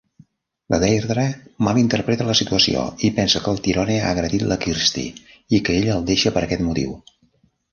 La Deirdre mal interpreta la situació i pensa que el Tyrone ha agredit la Kirsty i que ella el deixa per aquest motiu.